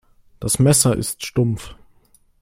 Das Messer ist stumpf.